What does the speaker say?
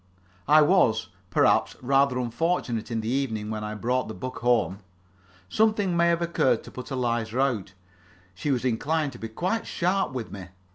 I was, perhaps, rather unfortunate in the evening when I brought the book home. Something may have occurred to put Eliza out; she was inclined to be quite sharp with me.